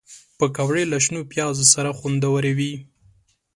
پکورې له شنو پیازو سره خوندورې وي